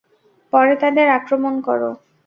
পরে তাদের আক্রমন করো।